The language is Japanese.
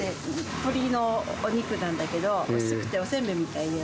鶏のお肉なんだけど、薄くて、おせんべいみたいで。